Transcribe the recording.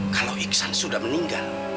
kalau iksan sudah meninggal